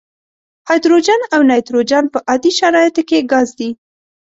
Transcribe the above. هایدروجن او نایتروجن په عادي شرایطو کې ګاز دي.